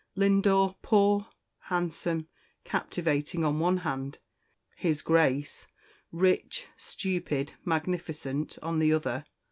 Lindore, poor, handsome, captivating, on one hand; his Grace, rich, stupid, magnificent, on the other.